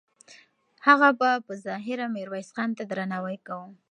هغه به په ظاهره میرویس خان ته درناوی کاوه.